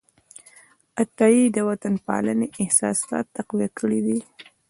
عطايي د وطنپالنې احساسات تقویه کړي دي.